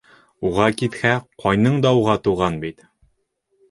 Уға китһә, ҡайның да уға туған бит...